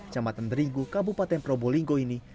jambatan derigu kabupaten probolinggo ini